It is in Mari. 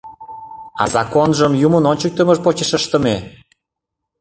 А законжым юмын ончыктымыж почеш ыштыме.